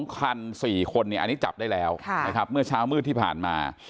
๒คัน๔คนอันนี้จับได้แล้วนะครับเมื่อเช้ามืดที่ผ่านมา